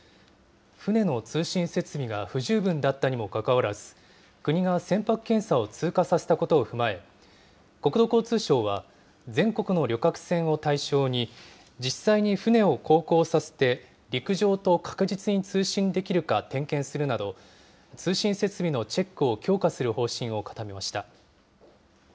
船の通信設備が不十分だったにもかかわらず、国が船舶検査を通過させたことを踏まえ、国土交通省は、全国の旅客船を対象に、実際に船を航行させて陸上と確実に通信できるか点検するなど、通信設備のチェックを強化する方針を固めました。